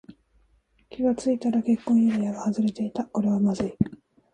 気がついたら結婚指輪が外れていた。これはまずい。